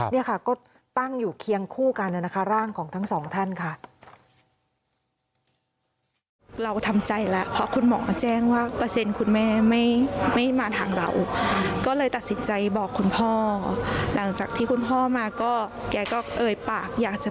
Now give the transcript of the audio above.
เนี่ยค่ะก็ตั้งอยู่เคียงคู่กันนะคะร่างของทั้งสองท่านค่ะ